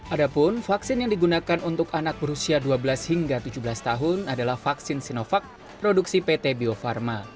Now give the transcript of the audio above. adapun vaksin yang digunakan untuk anak berusia dua belas hingga tujuh belas tahun adalah vaksin sinovac produksi pt bio farma